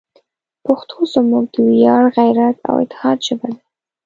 پښتو زموږ د ویاړ، غیرت، او اتحاد ژبه ده.